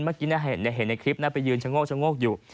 เมื่อกี้เห็นในคลิปไปยืนชะโงกอยู่